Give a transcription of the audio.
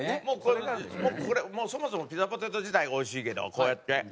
もうこれそもそもピザポテト自体がおいしいけどこうやって。